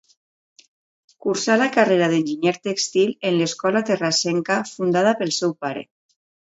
Cursà la carrera d'enginyer tèxtil en l'escola terrassenca fundada pel seu pare.